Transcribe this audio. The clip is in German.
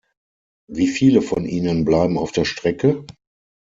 Wie viele von ihnen bleiben auf der Strecke?